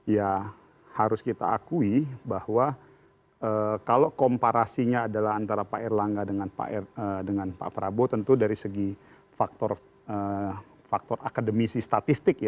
ya harus kita akui bahwa kalau komparasinya adalah antara pak erlangga dengan pak prabowo tentu dari segi faktor akademisi statistik ya